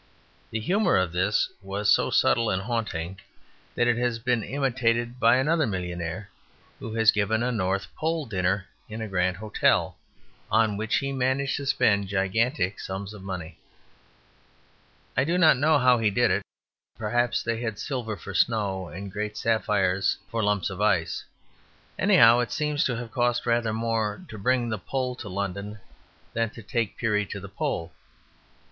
The humour of this was so subtle and haunting that it has been imitated by another millionaire, who has given a North Pole Dinner in a grand hotel, on which he managed to spend gigantic sums of money. I do not know how he did it; perhaps they had silver for snow and great sapphires for lumps of ice. Anyhow, it seems to have cost rather more to bring the Pole to London than to take Peary to the Pole.